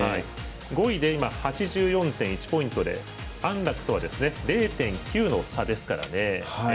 ５位で今８４．１ポイントで安楽とは０．９の差ですからね。